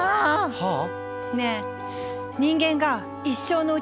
はあ。